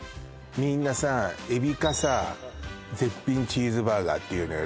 みんなさエビかさ絶品チーズバーガーっていうのよ